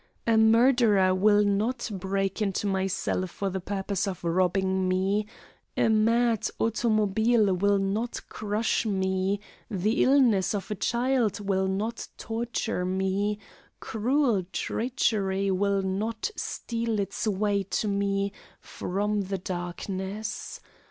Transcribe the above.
A murderer will not break into my cell for the purpose of robbing me, a mad automobile will not crush me, the illness of a child will not torture me, cruel treachery will not steal its way to me from the darkness.